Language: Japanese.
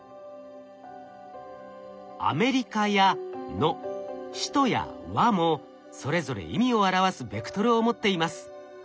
「アメリカ」や「の」「首都」や「は」もそれぞれ意味を表すベクトルを持っています。